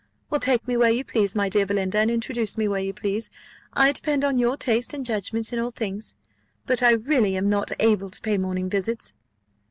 Well, take me where you please, my dear Belinda, and introduce me where you please: I depend on your taste and judgment in all things; but I really am not yet able to pay morning visits."